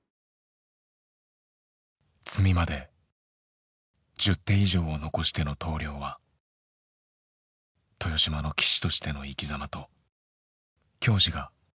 詰みまで１０手以上を残しての投了は豊島の棋士としての生きざまと矜持があらわれていた。